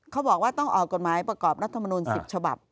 เขาบอกว่าต้องออกกฎหมายประกอบรัฐมนุน๑๐ฉบับ